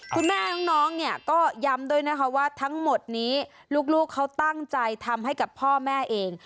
คุณแม่น้องเนี่ยก็ย้ำด้วยนะคะว่าทั้งหมดนี้ลูกเขาตั้งใจทำให้กับพ่อแม่เอง